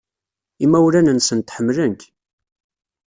Imawlan-nsent ḥemmlen-k.